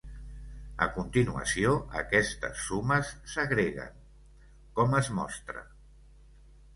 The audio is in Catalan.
A continuació aquestes sumes s'agreguen, com es mostra.